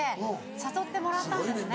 誘ってもらったんですね。